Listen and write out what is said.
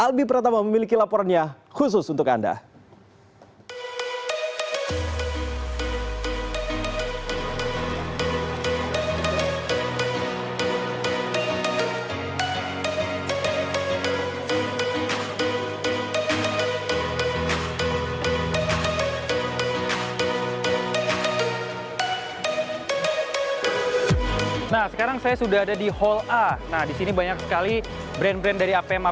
albi pratama memiliki laporannya khusus untuk anda